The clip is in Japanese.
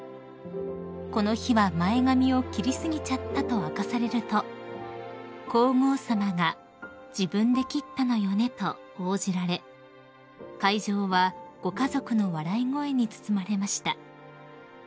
［「この日は前髪を切り過ぎちゃった」と明かされると皇后さまが「自分で切ったのよね」と応じられ会場はご家族の笑い声に包まれました］